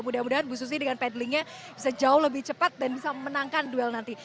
mudah mudahan bu susi dengan pedlingnya bisa jauh lebih cepat dan bisa memenangkan duel nanti